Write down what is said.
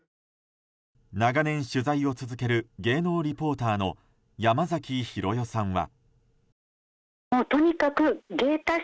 長年、取材を続ける芸能リポーターの山崎寛代さんは。